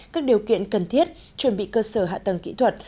các điều kiện cần thiết chuẩn bị cơ sở hạ tầng kỹ thuật